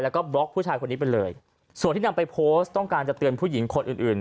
แล้วก็บล็อกผู้ชายคนนี้ไปเลยส่วนที่นำไปโพสต์ต้องการจะเตือนผู้หญิงคนอื่นอื่น